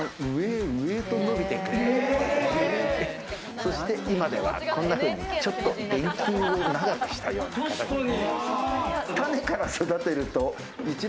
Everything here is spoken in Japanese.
そして、今ではこんなふうにちょっと電球を長くしたような形に。